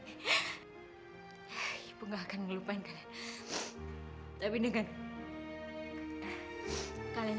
sekarang jatuhnya sudah bisa berjalan